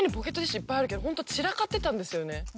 いっぱいあるけどホント散らかってたんですよね。